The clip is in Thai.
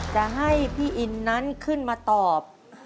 จะให้พี่อินนั้นขึ้นมาตอบ